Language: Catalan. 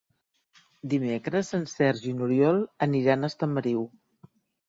Dimecres en Sergi i n'Oriol aniran a Estamariu.